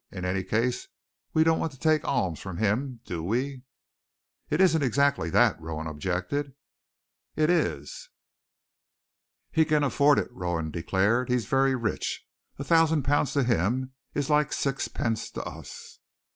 "In any case, we don't want to take alms from him, do we?" "It isn't exactly that," Rowan objected. "It is." "He can afford it," Rowan declared. "He is very rich. A thousand pounds to him is like sixpence to us."